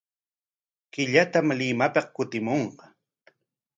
Killatam Limapik kutimunqa.